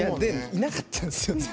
いなかったんですよ。